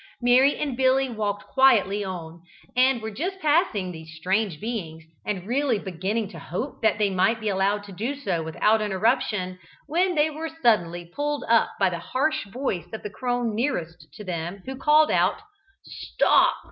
Mary and Billy walked quietly on, and were just passing these strange beings, and really beginning to hope they might be allowed to do so without interruption, when they were suddenly pulled up by the harsh voice of the crone nearest to them, who called out "Stop!"